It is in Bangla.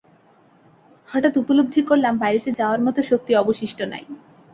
হঠাৎ উপলব্ধি করলাম বাড়িতে যাওয়ার মত শক্তি অবশিষ্ট নেই।